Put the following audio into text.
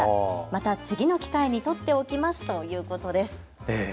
また次の機会に取っておきますということです。